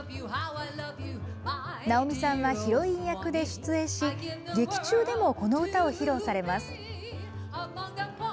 ナオミさんはヒロイン役で出演し劇中でもこの歌を披露されます。